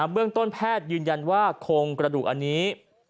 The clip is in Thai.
เบื้องต้นแพทย์ยืนยันว่าโครงกระดูกอันนี้